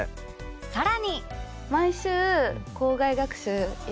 さらに。